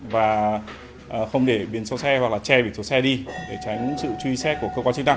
và không để biển số xe hoặc là che biển số xe đi để tránh sự truy xét của cơ quan chức năng